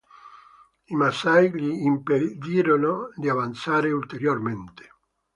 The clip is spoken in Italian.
I Masai gli impedirono di avanzare ulteriormente.